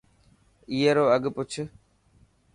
اي رو اگھه پوڇ.